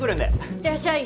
いってらっしゃい。